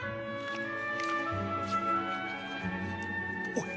おい。